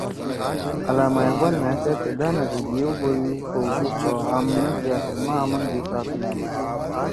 علامہ اقبال مھأ سیاست دانا سیت یِؤ بیُو کؤدود خو عملی سیاست ما آمن دُھو ساتُودُود